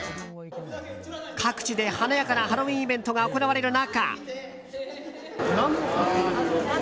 各地で華やかなハロウィーンイベントが行われる中。